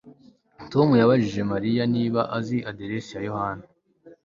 Tom yabajije Mariya niba azi aderesi ya Yohana